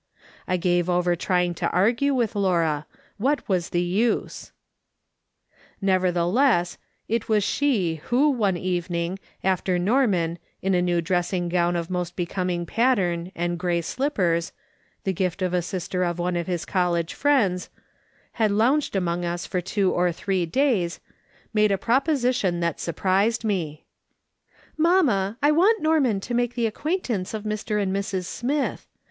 I gave over trying to argue with Laura ; what was the use ? Nevertheless, it was she who, one evening, after Norman, in a new dressing gown of most becoming pattern, and gay slippers — the gift of a sister of one of his college friends — had lounged among us for *'AND BEHOLD, THEY WERE ENGAGED:' 359 two or three days, made a proposition that surprised me :" Mamma, I want Norman to make the acquaint ance of Mr. and Mrs. Smith.